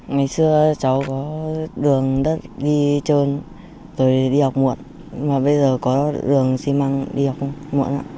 ngày xưa cháu có đường đất đi trơn rồi đi học muộn mà bây giờ có đường xi măng đi học không muộn ạ